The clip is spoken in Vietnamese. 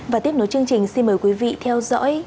và tiếp nối chương trình xin mời quý vị theo dõi